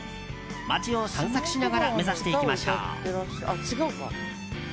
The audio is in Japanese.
街を散策しながら目指していきましょう。